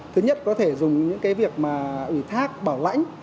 thứ nhất có thể dùng những việc ủi thác bảo lãnh